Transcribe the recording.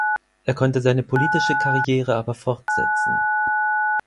Er konnte seine politische Karriere aber fortsetzen.